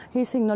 tại các điểm đảo